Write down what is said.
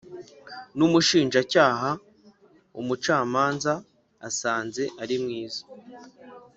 n Umushinjacyaha umucamanza asanze ari mwiza